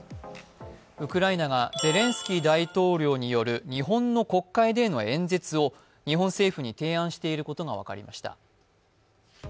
ウクライナがゼレンスキー大統領による日本の国会での演説を日本政府に提案していることが分かりました。